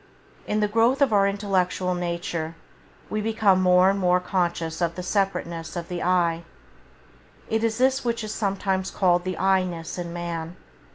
In the growth of our intellectual nature we become more and more conscious of the separateness of the " I ". It is this which is sometimes called the I ness in man.